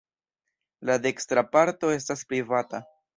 La dekstra parto estas privata.